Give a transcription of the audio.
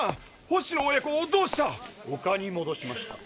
星野親子をどうした⁉地球にもどしました。